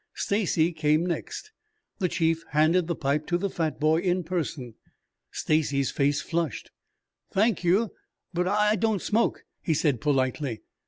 Stacy came next. The chief handed the pipe to the fat boy in person. Stacy's face flushed. "Thank you, but I don't smoke," he said politely.